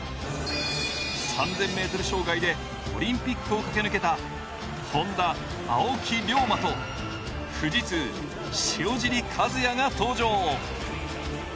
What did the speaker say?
３０００ｍ障害でオリンピックを駆け抜けたＨｏｎｄａ・青木涼真と富士通・塩尻和也が登場。